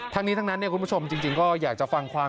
ทั้งนี้ทั้งนั้นคุณผู้ชมจริงก็อยากจะฟังความ